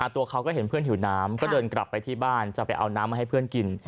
ตัวเขาก็เห็นเพื่อนหิวน้ำก็เดินกลับไปที่บ้านจะไปเอาน้ำมาให้เพื่อนกิน